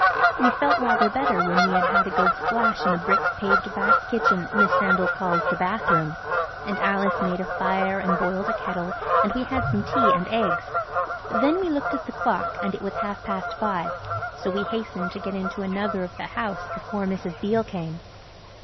We felt rather better when we had had a good splash in the brick paved back kitchen that Miss Sandal calls the bath room. And Alice made a fire and boiled a kettle and we had some tea and eggs. Then we looked at the clock and it was half past five. So we hastened to get into another of the house before Mrs. Beale came.